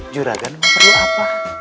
juragan mau perlu apa